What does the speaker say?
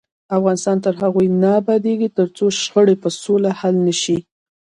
افغانستان تر هغو نه ابادیږي، ترڅو شخړې په سوله حل نشي.